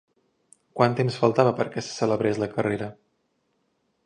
Quant temps faltava perquè se celebrés la carrera?